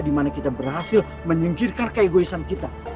dimana kita berhasil menyingkirkan keegoisan kita